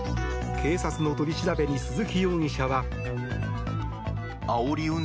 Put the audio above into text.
警察の取り調べに鈴木容疑者は。